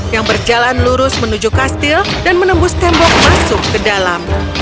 yang berjalan lurus menuju kastil dan menembus tembok masuk ke dalam